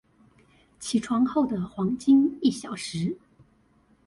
起床後的黃金一小時